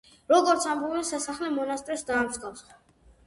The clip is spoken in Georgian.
როგორც ამბობენ სასახლე მონასტერს დაამსგავსა.